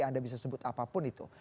anda bisa sebut apapun itu